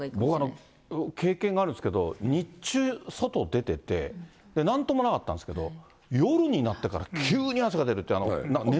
僕、経験があるんですけど、日中、外出ててなんともなかったんですけど、夜になってから急に汗が出るっていう、なんか熱が。